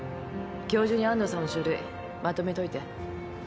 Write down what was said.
今日中に安藤さんの書類まとめといて。